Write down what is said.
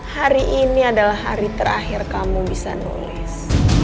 hari ini adalah hari terakhir kamu bisa nulis